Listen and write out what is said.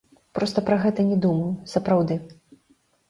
Проста пра гэта не думаю, сапраўды.